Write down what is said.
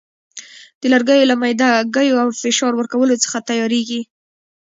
د لرګیو له میده ګیو او فشار ورکولو څخه تیاریږي.